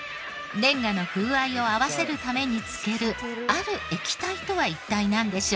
レンガの風合いを合わせるために浸けるある液体とは一体なんでしょう？